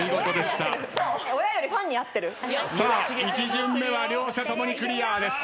１巡目は両者ともにクリアです。